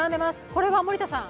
これは、森田さん。